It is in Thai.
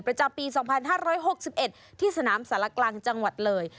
ประจำปี๒๕๖๑ที่สนามสารกลางจังหวัดเลย